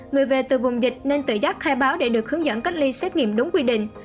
người về từ vùng dịch nên tự giác khai báo để được hướng dẫn cách ly xét nghiệm đúng quy định